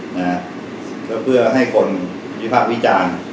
นะเพื่อให้คนหวี่พรรควิจารณ์